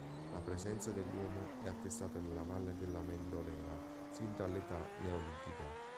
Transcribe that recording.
La presenza dell’uomo è attestata nella valle dell’Amendolea sin dall’età neolitica.